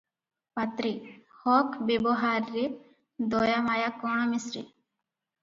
ପାତ୍ରେ- ହକ୍ ବେବହାରରେ ଦୟା ମାୟା କଣ ମିଶ୍ରେ?